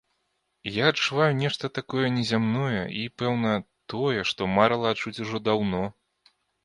Я адчуваю нешта такое незямное і, пэўна, тое, што марыла адчуць ужо даўно.